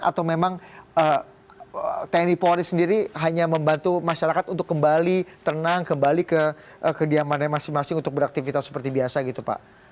atau memang tni polri sendiri hanya membantu masyarakat untuk kembali tenang kembali ke kediamannya masing masing untuk beraktivitas seperti biasa gitu pak